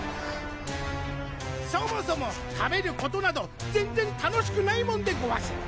そもそも食べることなど全然楽しくないもんでごわす！